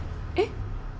えっ？